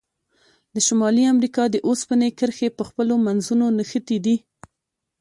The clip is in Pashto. د شمالي امریکا د اوسپنې کرښې په خپلو منځونو نښتي دي.